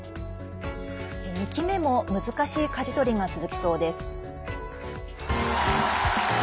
２期目も難しいかじ取りが続きそうです。